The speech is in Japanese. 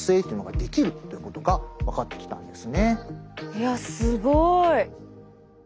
いやすごい！